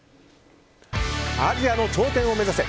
アジアの頂点を目指せ！